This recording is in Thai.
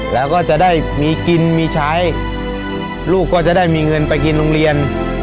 แล้วก็จะได้มีกินมีใช้ลูกก็จะได้มีเงินไปกินโรงเรียน